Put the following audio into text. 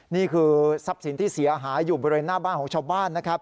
นี่คือทรัพย์สินที่เสียหายอยู่บริเวณหน้าบ้านของชาวบ้านนะครับ